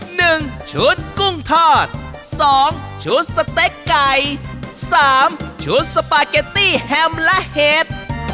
หนึ่งชุดกุ้งทอดสองชุดสเต็กไก่สามชุดสปาเกตตี้แฮมและเห็ด